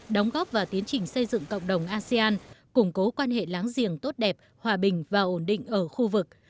đóng góp vào tiến trình xây dựng cộng đồng asean củng cố quan hệ láng giềng tốt đẹp hòa bình và ổn định ở khu vực